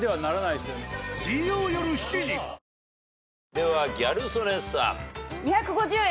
ではギャル曽根さん。